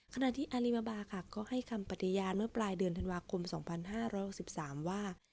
ขณะที่อาริวาบาค่ะก็ให้คำปฏิญาณเมื่อปลายเดือนธันวาคม๒๕๖๓ว่า